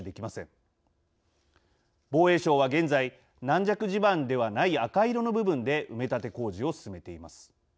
防衛省は現在軟弱地盤ではない赤色の部分で埋め立て工事を進めています。